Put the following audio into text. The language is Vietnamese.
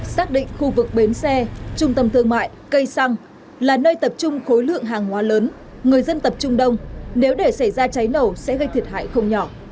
xác định khu vực bến xe trung tâm thương mại cây xăng là nơi tập trung khối lượng hàng hóa lớn người dân tập trung đông nếu để xảy ra cháy nổ sẽ gây thiệt hại không nhỏ